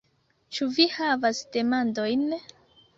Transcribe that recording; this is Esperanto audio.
Ĉu Vi havas demandojn?